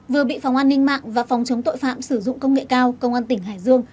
vừa bị phòng an ninh mạng và phòng chống tội phạm sử dụng công nghệ cao công an tỉnh hải dương